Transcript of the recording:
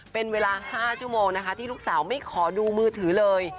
เป็นเวลา๕ชั่วโมงนะคะที่ลูกสาวไม่ขอดูมือถือเลย